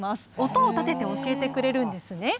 音を立てて教えてくれるんですね。